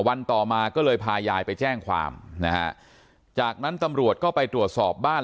วันต่อมาก็เลยพายายไปแจ้งความนะฮะจากนั้นตำรวจก็ไปตรวจสอบบ้าน